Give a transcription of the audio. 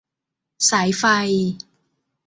สายไฟ